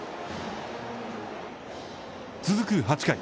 続く８回。